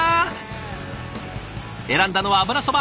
選んだのは油そば。